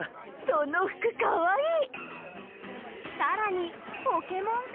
その服かわいい！